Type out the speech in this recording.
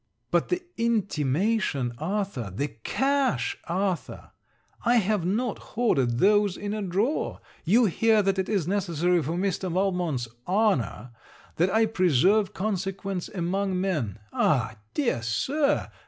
But the intimation, Arthur! the cash, Arthur! I have not hoarded those in a drawer! you hear that it is necessary for Mr. Valmont's honor that I preserve consequence among men. Ah! dear Sir!